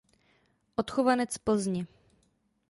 Odchovanec Plzně.